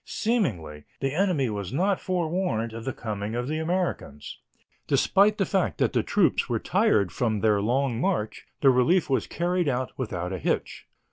Seemingly, the enemy was not forewarned of the coming of the Americans. Despite the fact that the troops were tired from their long march, the relief was carried out without a hitch.